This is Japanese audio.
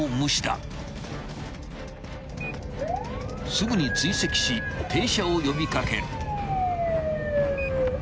［すぐに追跡し停車を呼び掛ける］